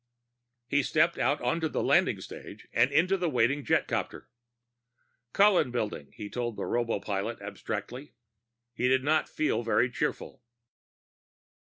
He stepped out onto the landing stage and into the waiting jetcopter. "Cullen Building," he told the robopilot abstractedly. He did not feel very cheerful.